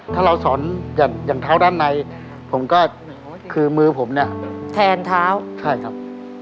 ถ้าเราสอนอย่างเท้าด้านในผมก็คือมือผมเนี่ยแทนเท้าใช่ครับ